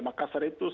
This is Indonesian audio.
makassar itu satu lima